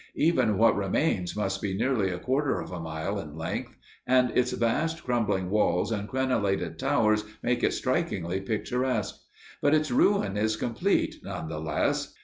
Even what remains must be nearly a quarter of a mile in length, and its vast crumbling walls and crenelated towers make it strikingly picturesque. But its ruin is complete, none the less.